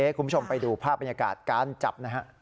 ให้คุณผู้ชมไปดูภาพบรรยากาศการจับ